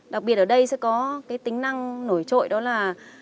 đặc biệt ở đây sẽ có cái tính năng nổi trội đó là